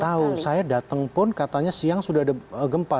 saya tahu saya datang pun katanya siang sudah ada gempa